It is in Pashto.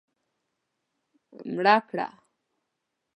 مړه کړه